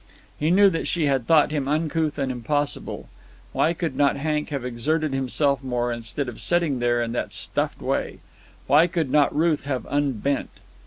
He knew that she had thought him uncouth and impossible. Why could not Hank have exerted himself more, instead of sitting there in that stuffed way? Why could not Ruth have unbent?